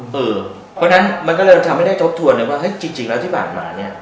เพราะฉะนั้นมันก็เลยทำให้ได้ทบทวนเลยว่าเฮ้ยจริงแล้วที่ผ่านมาเนี่ย